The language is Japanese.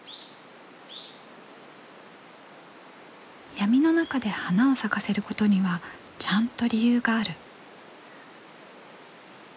闇の中で花を咲かせることにはちゃんと理由がある。